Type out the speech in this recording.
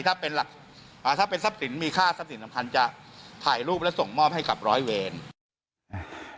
ถ้าเป็นหลักถ้าเป็นทรัพย์สินมีค่าทรัพย์สินสำคัญจะถ่ายรูปและส่งมอบให้กับร้อยเวร